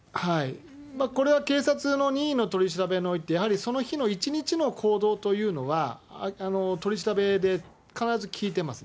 これは警察の任意の取り調べにおいて、やはりその日の一日の行動というのは、取り調べで必ず聞いてます。